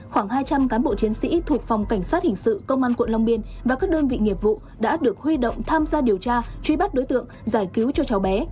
khoảng hai trăm linh cán bộ chiến sĩ thuộc phòng cảnh sát hình sự công an quận long biên và các đơn vị nghiệp vụ đã được huy động tham gia điều tra truy bắt đối tượng giải cứu cho cháu bé